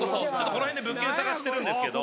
この辺で物件探してるんですけど。